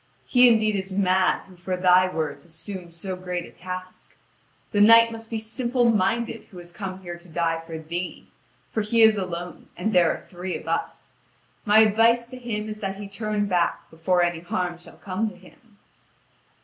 He indeed is mad who for thy words assumes so great a task. The knight must be simple minded who has come here to die for thee, for he is alone and there are three of us. My advice to him is that he turn back before any harm shall come to him."